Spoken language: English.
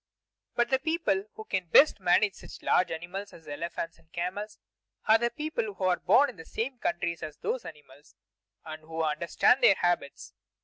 But the people who can best manage such large animals as elephants and camels are the people who are born in the same countries as those animals and who understand their habits.